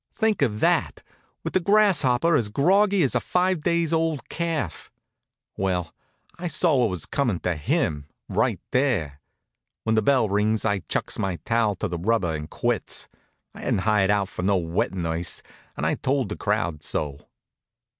Think of that, with the Grasshopper as groggy as a five days old calf! Well, I saw what was coming to him, right there. When the bell rings I chucks my towel to a rubber and quits. I hadn't hired out for no wet nurse, and I told the crowd so.